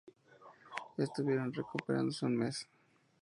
Estuvieron recuperándose un mes.